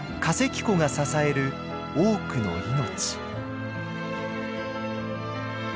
湖が支える多くの命。